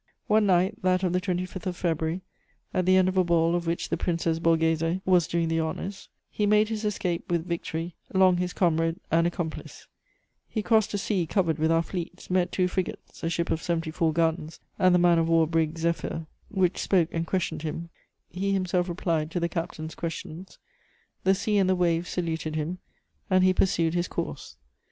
] One night, that of the 25th of February, at the end of a ball of which the Princess Borghese was doing the honours, he made his escape with victory, long his comrade and accomplice; he crossed a sea covered with our fleets, met two frigates, a ship of 74 guns and the man of war brig Zéphyr, which spoke and questioned him; he himself replied to the captain's questions; the sea and the waves saluted him, and he pursued his course.